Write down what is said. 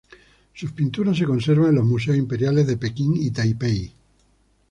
Sus pinturas se conservan en los museos imperiales de Pekín y de Taipei.